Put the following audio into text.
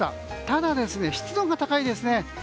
ただ、湿度が高いですね。